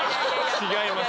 違います！